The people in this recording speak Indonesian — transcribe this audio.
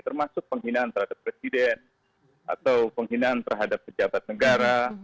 termasuk penghinaan terhadap presiden atau penghinaan terhadap pejabat negara